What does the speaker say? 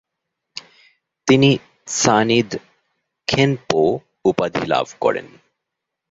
তিনি ত্সানিদ খেনপো উপাধলাভ করেন।